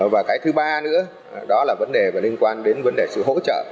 và cái thứ ba nữa đó là vấn đề liên quan đến vấn đề sự hỗ trợ